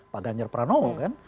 pak ganjar pranowo kan